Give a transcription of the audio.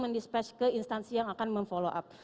mendispatch ke instansi yang akan memfollow up